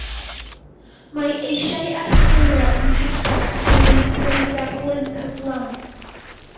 Mae eisiau archwilio ym mhellach er mwyn creu darlun cyflawn